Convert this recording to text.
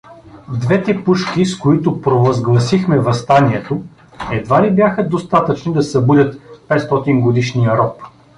Двете пушки, с които провозгласихме въстанието, едва ли бяха достатъчни да събудят петстотингодишния роб.